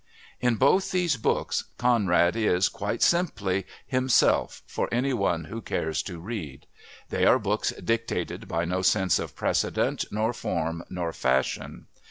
In both these books Conrad is, quite simply, himself for anyone who cares to read. They are books dictated by no sense of precedent nor form nor fashion.